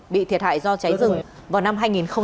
bị thiệt hại do cháy rừng vào năm hai nghìn hai mươi một